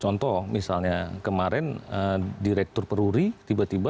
contoh misalnya kemarin direktur peruri tiba tiba